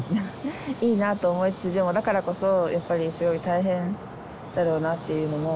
いいなと思いつつでもだからこそやっぱりすごい大変だろうなっていうのも。